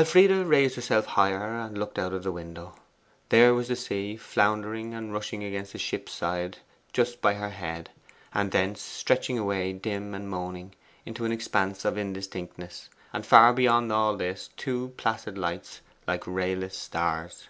Elfride raised herself higher and looked out of the window. There was the sea, floundering and rushing against the ship's side just by her head, and thence stretching away, dim and moaning, into an expanse of indistinctness; and far beyond all this two placid lights like rayless stars.